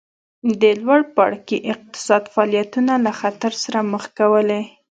د لوړ پاړکي اقتصادي فعالیتونه له خطر سره مخ کولې